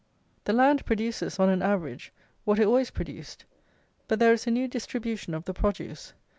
The land produces, on an average, what it always produced; but there is a new distribution of the produce.